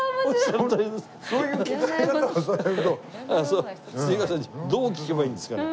じゃあどう聞けばいいんですかね？